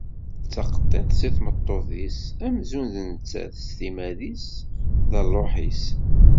D taqeṭṭiḍt seg tmeṭṭut-is amzun d nettat s timmad-is d ṛṛuḥ-is.